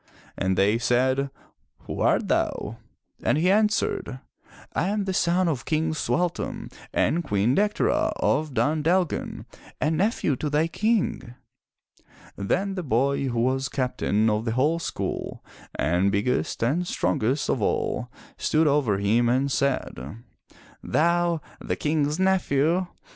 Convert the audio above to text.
'' And they said, "Who art thou?" And he answered, " I am the son of King Sualtam and Queen Dectera of Dun Dalgan and nephew to thy King." Then the boy who was Captain of the whole school and biggest and strongest of all stood over him and said: "Thou, the King's nephew!